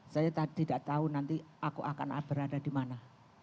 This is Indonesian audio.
saya tidak tahu nanti aku akan berada di mana